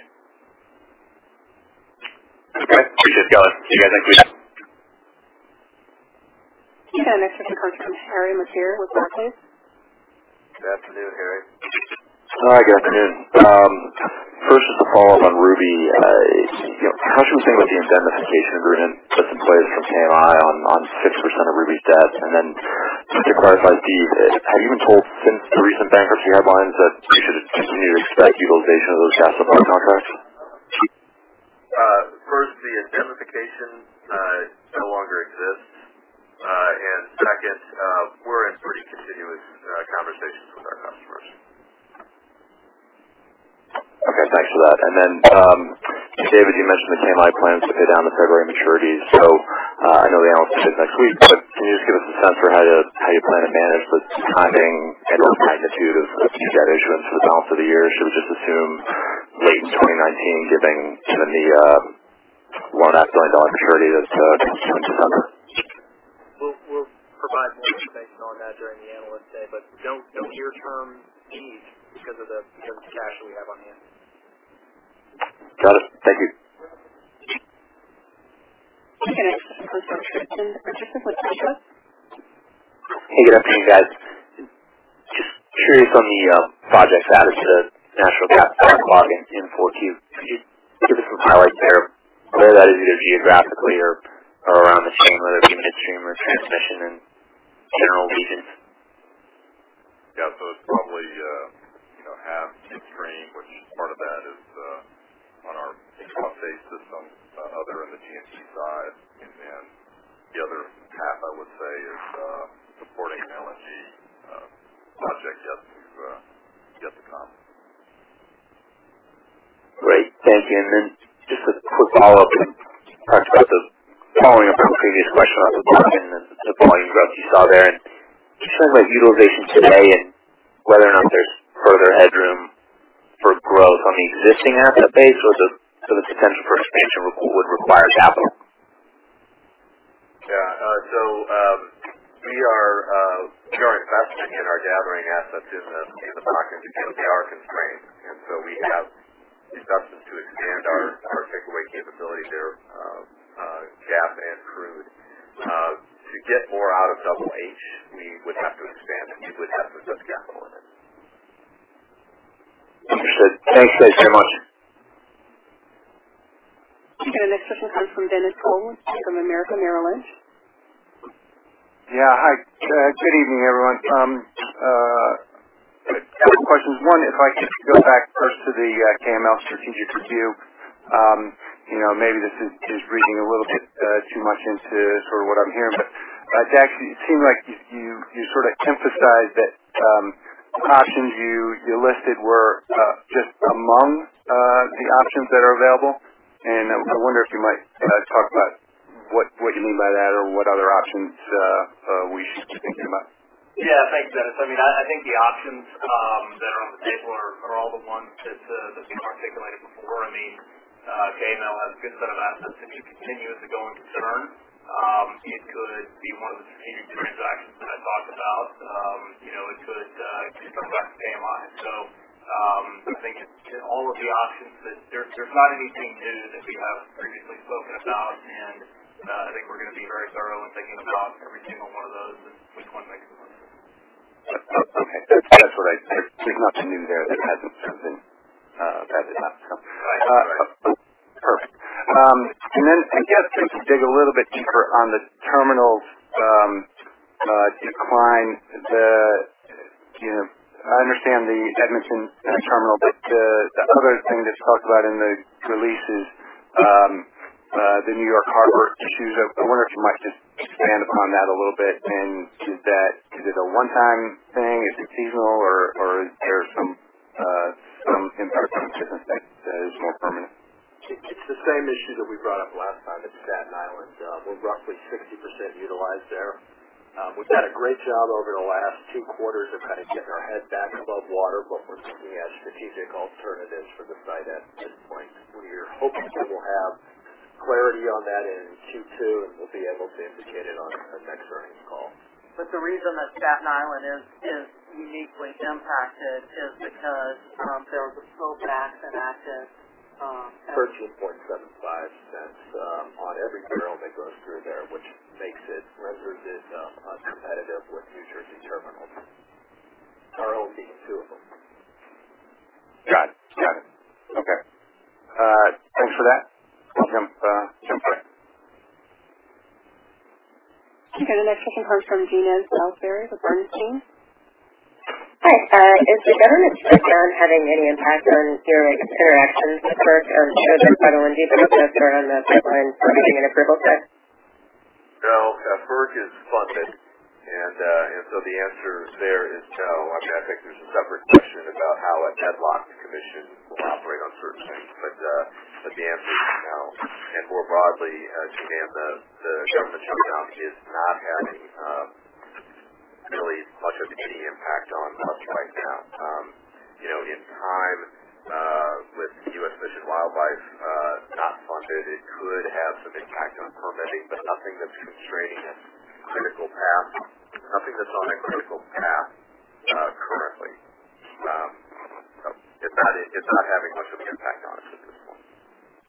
Okay. Appreciate it, guys. Thank you. Okay, our next question comes from Harry Mateer with Jefferies. Good afternoon, Harry. Hi, good afternoon. First, just a follow-up on Ruby. How should we think about the indemnification agreement that's in place from KMI on 6% of Ruby's debt? Just to clarify, Steve, have you been told since the recent bankruptcy headlines that you should continue to expect utilization of those cash flow contracts? First, the indemnification no longer exists. Second, we're in pretty continuous conversations with our customers. Okay, thanks for that. David, you mentioned that KMI plans to pay down the February maturities. I know the analyst is next week, but can you just give us a sense for how you plan to manage the timing and/or magnitude of debt issuance for the balance of the year? Should we just assume late in 2019, given the $100 million maturity that's due in December? We'll provide more information on that during the Analyst Day, don't fear term peak because of the cash that we have on hand. Got it. Thank you. Okay, next question from Tristan Richardson with Evercore. Hey, good afternoon, guys. Just curious on the projects added to the natural gas backlog in 2014. Could you give us some highlights there of where that is, either geographically or around the stream, whether it be midstream or transmission, and general reasons? Yeah. It's probably half in stream, which part of that is on our existing asset base system, other in the LNG side. The other half, I would say is supporting LNG projects yet to come. Great. Thank you. Just a quick follow-up. You talked about following up on a previous question on the Bakken and the volume growth you saw there, and just trying to get utilization today and whether or not there's further headroom for growth on the existing asset base or the potential for expansion would require capital. Yeah. We are investing in our gathering assets in the Bakken to deal with our constraints. We have investments to expand our takeaway capability there, gas and crude. To get more out of Double H, we would have to expand, and it would have to touch capital. Understood. Thanks. Thanks very much. Okay, next question comes from Dennis Cole with Bank of America Merrill Lynch. Yeah. Hi, good evening, everyone. Two questions. One, if I could go back first to the KML strategic review. Maybe this is reading a little bit too much into what I'm hearing, Jack, it seemed like you emphasized that the options you listed were just among the options that are available, and I wonder if you might talk about what you mean by that or what other options we should be thinking about. Yeah, thanks, Dennis. I think the options that are on the table are all the ones that we've articulated before. KML has a good set of assets that could continue as a going concern. It could be one of the strategic transactions that I talked about. It could just go back to KMI. I think in all of the options, there's not anything new that we haven't previously spoken about, and I think we're going to be very thorough in thinking about every single one of those and which one makes the most sense. Okay. There's nothing new there that hasn't been vetted out. That's right. Perfect. Then, I guess, if we could dig a little bit deeper on the terminals decline. I understand the Edmonton terminal, but the other thing that you talked about in the release is the New York Harbor issues. I wonder if you might just expand upon that a little bit, and is it a one-time thing? Is it seasonal, or is there some impact from a different thing that is more permanent? It's the same issue that we brought up last time. It's Staten Island. We're roughly 60% utilized there. We've done a great job over the last two quarters of getting our head back above water, but we're looking at strategic alternatives for the site at this point. We are hopeful that we'll have clarity on that in Q2. We'll be able to indicate it on the next earnings call. The reason that Staten Island is uniquely impacted is because there was a pullback in access. $0.1375 on every barrel that goes through there, which makes it relatively uncompetitive with New Jersey terminals, our only two of them. Got it. Okay. Thanks for that. Welcome. Sure thing. Okay, the next question comes from Jean Ann Salisbury with Bernstein. Hi. Is the government shutdown having any impact on your interactions with FERC on Sugar Bush or indeed the process around the pipeline permitting and approval process? No. FERC is funded. The answer there is no. I think there's a separate question about how a deadlocked commission will operate on certain things. The answer is no. More broadly, to the extent the government shutdown is not having really much of any impact on us right now. In time, with the U.S. Fish and Wildlife not funded, it could have some impact on permitting, but nothing that's constraining a critical path, nothing that's on a critical path currently. It's not having much of an impact on us at this point.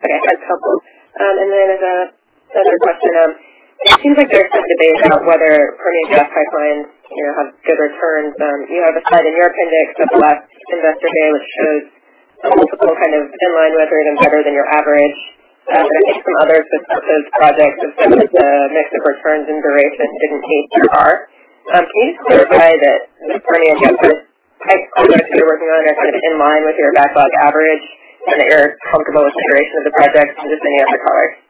Okay. That's helpful. As a separate question, it seems like there's some debate about whether Permian gas pipelines have good returns. You have a slide in your appendix at the last Investor Day, which shows a multiple in line with or even better than your average. I think some others have suggested projects with similar mix of returns and duration didn't meet your bar. Can you clarify that the Permian gas pipe projects that you're working on are in line with your backlog average and that you're comfortable with the duration of the projects just as any other projects?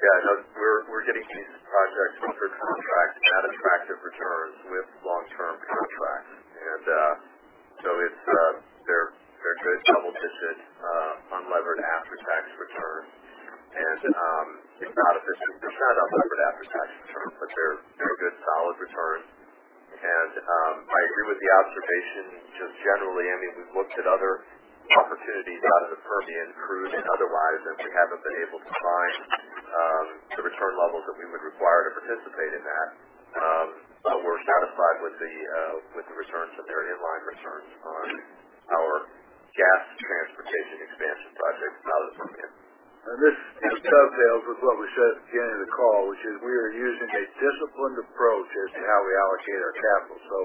Yeah, no, we're getting these projects with good contracts and attractive returns with long-term contracts. They're mid-double-digit unlevered after-tax returns, it's not a 15% unlevered after-tax return, they're good, solid returns. I agree with the observation just generally. We've looked at other opportunities out of the Permian crude and otherwise, we haven't been able to find the return levels that we would require to participate in that. We're satisfied with the returns, that they're in line returns on our gas transportation expansion projects out of the Permian. This just dovetails with what we said at the beginning of the call, which is we are using a disciplined approach as to how we allocate our capital.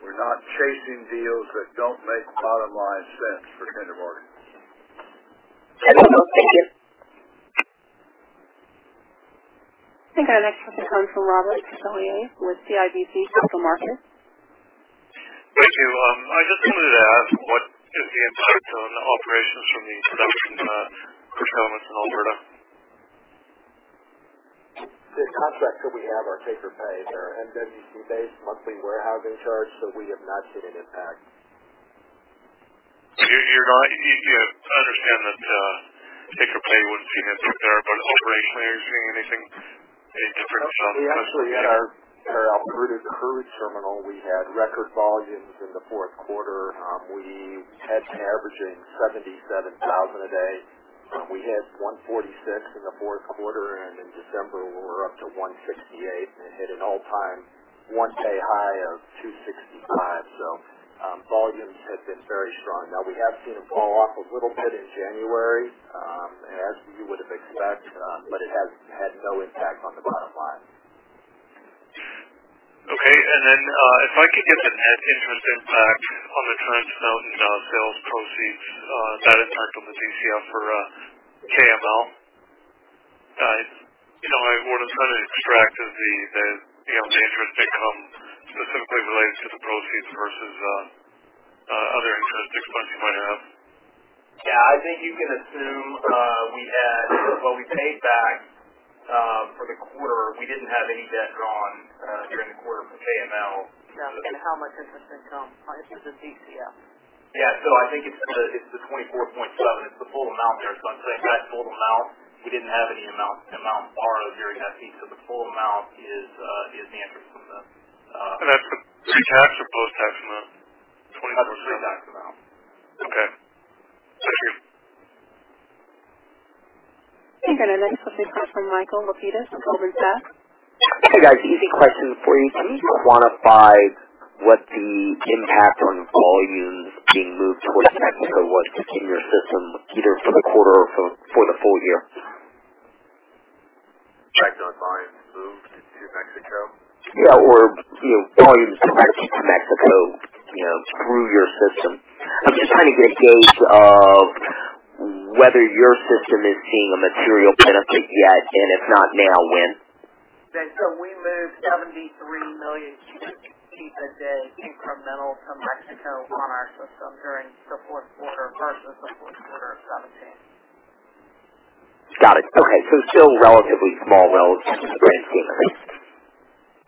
We're not chasing deals that don't make bottom-line sense for Kinder Morgan. Okay. Thank you. I think our next question comes from Robert Catellier with CIBC Capital Markets. Thank you. I just wanted to ask, what is the impact on operations from the shutdown of Trans Mountain in Alberta? The contracts that we have are take-or-pay. They're MWD-based monthly warehousing charge, so we have not seen an impact. I understand that take-or-pay wouldn't see an impact there, operationally, are you seeing anything different? Actually, at our Alberta Hub terminal, we had record volumes in the fourth quarter. We had been averaging 77,000 a day. We hit 146 in the fourth quarter, in December we were up to 168 and hit an all-time one-day high of 265. Volumes have been very strong. We have seen them fall off a little bit in January, as you would have expected, but it has had no impact on the bottom line. Okay. If I could get the net interest impact on the Trans Mountain sales proceeds that impact on the DCF for KML? What I'm trying to extract is the interest income specifically related to the proceeds versus other interest exposure you might have. Yeah, I think you can assume we had Well, we paid back for the quarter. We didn't have any debt drawn during the quarter from the KML. Yeah, how much interest income on just the DCF? Yeah. I think it's the $24.7. It's the full amount there. I'm saying that full amount, we didn't have any amount borrowed during that peak. The full amount is the interest from. That's pre-tax or post-tax on the $24.7? That's the post-tax amount. Okay. Thanks, Ruben. Okay, great. Next, we'll take a question from Michael Lapides from Goldman Sachs. Hey, guys. Easy question for you. Can you quantify what the impact on volumes being moved towards Mexico was to keep your system either for the quarter or for the full year? Types online moved to Mexico? Yeah, volumes direct to Mexico through your system. I'm just trying to get a gauge of whether your system is seeing a material benefit yet, and if not now, when? Okay. We moved 73 million cubic feet a day incremental to Mexico on our system during the fourth quarter versus the fourth quarter of 2017. Got it. Okay. Still relatively small relative to the grand scheme of things.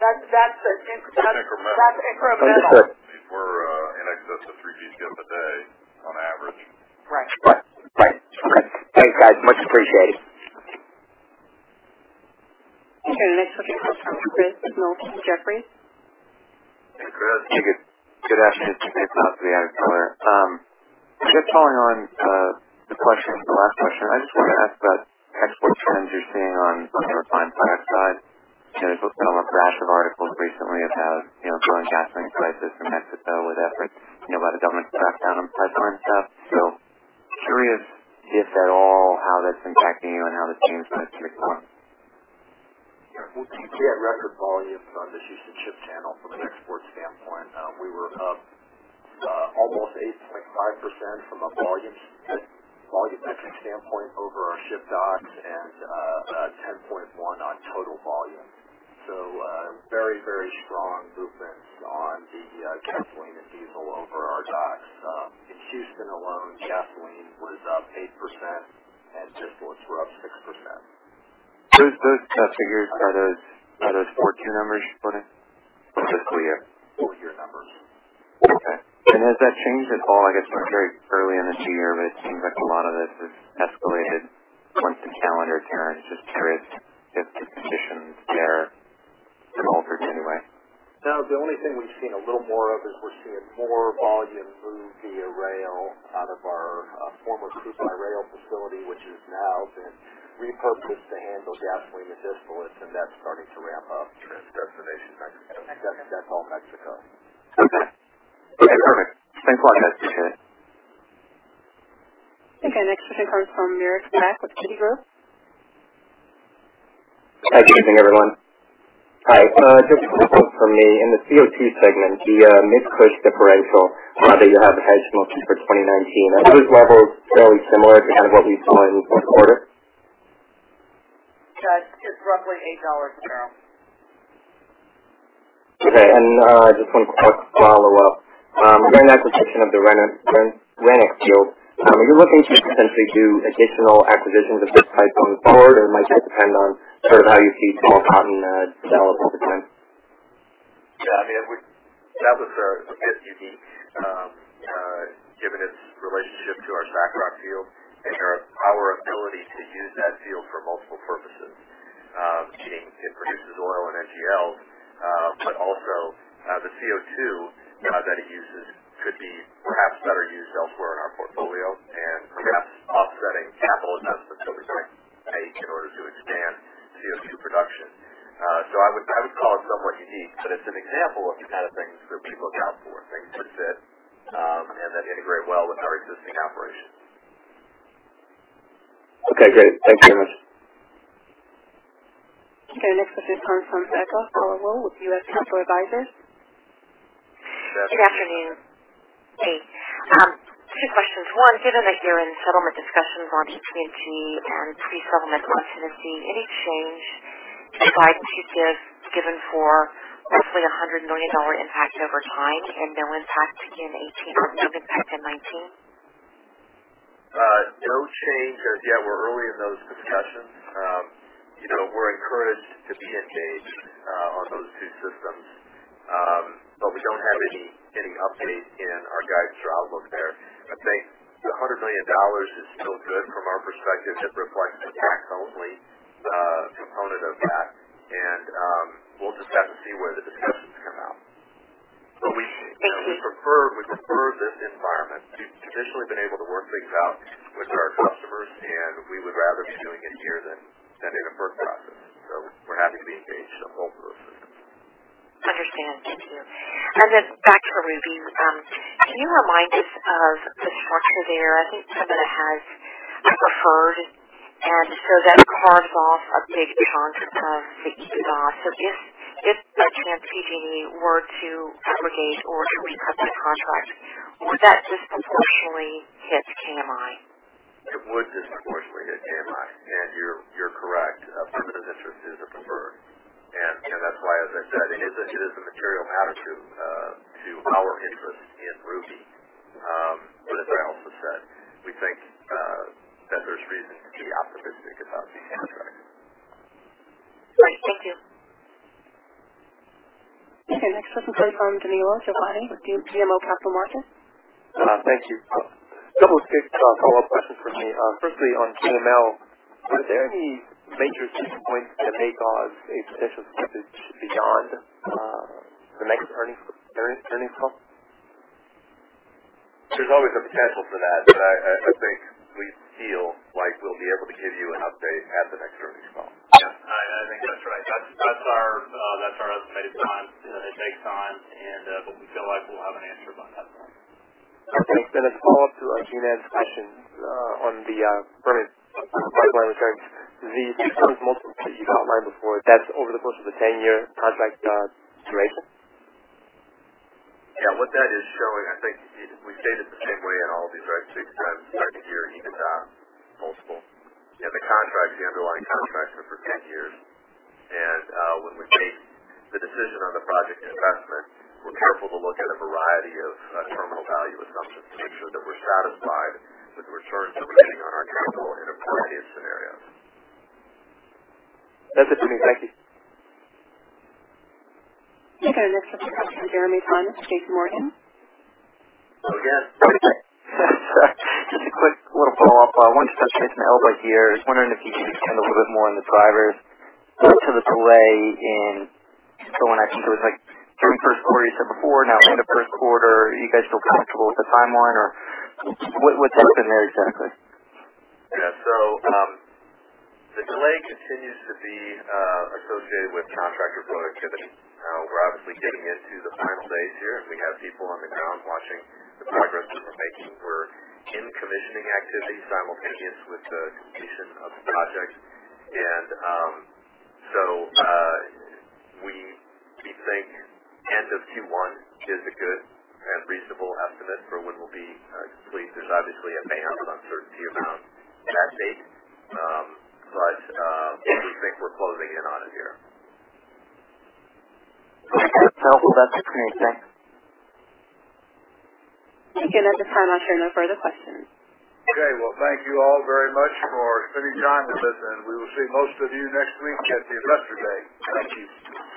That's incremental. That's incremental. We were in excess of 3 billion cubic feet a day on average. Right. Right. Thanks, guys, much appreciated. Okay, next we'll take a question from Christopher D. Mills from Jefferies. Hey, Chris. Hey, good afternoon. It's Nick. Not to be out of order. Just following on the question from the last question. I just wanted to ask about export trends you're seeing on the gasoline product side. There's been a rash of articles recently about growing gasoline prices in Mexico with efforts by the government to crack down on pipeline stuff. Curious if at all how that's impacting you and how that's changed kind of Q4. Yeah. We continue to get record volumes on the Houston ship channel from an export standpoint. We were up almost 8.5% from a volume exit standpoint over our ship docks and 10.1% on total volume. Very strong movements on the gasoline and diesel over our docks. In Houston alone, gasoline was up 8% and distillates were up 6%. Those figures, are those 14 numbers you're putting for fiscal year? Full year numbers. Okay. Has that changed at all? I guess we're very early in the year, but it seems like a lot of this has escalated once the calendar turned. Just curious if the positions there have altered in any way. No, the only thing we've seen a little more of is we're seeing more volume move via rail out of our former sea by rail facility, which has now been repurposed to handle gasoline and distillates, and that's starting to ramp up. Destination Mexico. Okay. Perfect. Thanks a lot, guys. Appreciate it. Okay, next we'll take a call from Merrick Mack with KeyBanc. Good evening, everyone. Hi. Just a quick one from me. In the CO2 segment, the Mid-Cush differential that you have additional Q for 2019. Are those levels fairly similar to kind of what we saw in fourth quarter? Yeah, it's roughly $8 a barrel. Just one quick follow-up. Given that the section of the Renix field, are you looking to potentially do additional acquisitions of this type going forward, or might that depend on sort of how you see Tall Cotton develop over time? Yeah, that was very unique given its relationship to our SACROC field and our power ability to use that field for multiple purposes. Being it produces oil and NGL, but also the CO2 that it uses could be perhaps better used elsewhere in our portfolio and perhaps offsetting capital investments that we're going to make in order to expand CO2 production. I would call it somewhat unique, but it's an example of the kind of things that we look out for, things that fit, and that integrate well with our existing operations. Okay, great. Thanks very much. Okay, next we'll take a call from Becca Caldwell with U.S. Capital Advisors. Becca. Good afternoon. Hey, two questions. One, given that you're in settlement discussions on TGP and pre-settlement collection of fees, in exchange, is guidance you give given for roughly $100 million impact over time and no impact in 2018, no impact in 2019? No change as yet. We're early in those discussions. We're encouraged to be engaged on those two systems, we don't have any update in our guidance or outlook there. I'd say the $100 million is still good from our perspective. It reflects the tax-only component of that, we'll just have to see where the discussions come out. We prefer this environment. We've traditionally been able to work things out with our customers, we would rather be doing it here than sending it to court process. We're happy to be engaged on both of those systems. Understand. Thank you. Then back to Ruby. Can you remind us of the structure there? I think some of it has preferred, that carves off a big chunk of the EBITDA. If TGP were to congregate or to recut that contract, would that disproportionately hit KMI? It would disproportionately impact. You're correct. Pembina's interest is a preferred, that's why, as I said, it is a material matter to our interest in Ruby. As I also said, we think that there's reason to be optimistic about the contract. Great. Thank you. Next up is the phone, Danilo Juvane with GMP Capital Markets. Thank you. Couple of quick follow-up questions for me. Firstly, on KML, are there any major touch points to make on a potential pivot beyond the next earnings call? There's always a potential for that, but I think we feel like we'll be able to give you an update at the next earnings call. Yeah. I think that's right. That's our estimated time that it takes on, and we feel like we'll have an answer by then. Okay. A follow-up to Juned's question on the Pembina pipeline return. The two times multiple that you outlined before, that's over the course of the 10-year contract duration? Yeah. What that is showing, I think we've stated the same way on all of these rates, we expect to hear an EBITDA multiple. The contracts, the underlying contracts, are for 10 years. When we make the decision on the project investment, we're careful to look at a variety of terminal value assumptions to make sure that we're satisfied with the returns that we're making on our capital in a variety of scenarios. That's it from me. Thank you. Next up we have Jeremy Tonet with JPMorgan. Hello again. Just a quick little follow-up. I wanted to touch on KML real quick here. I was wondering if you could expand a little bit more on the drivers to the delay in going. I think it was like during first quarter, you said before, now end of first quarter. Are you guys still comfortable with the timeline, or what's happened there exactly? Yeah. The delay continues to be associated with contractor productivity. We're obviously getting into the final phase here, and we have people on the ground watching the progress that we're making. We're in commissioning activities simultaneous with the completion of the project. We think end of Q1 is a good and reasonable estimate for when we'll be completed. Obviously, it may have an uncertainty around that date. We think we're closing in on it here. Okay. Well, that's great. Thanks. At this time, I show no further questions. Okay. Well, thank you all very much for spending time with us, and we will see most of you next week at the Investor Day. Thank you.